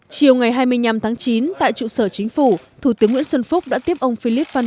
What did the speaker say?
chiều ngày hai mươi năm tháng chín tại trụ sở chính phủ thủ tướng nguyễn xuân phúc đã tiếp ông philip fan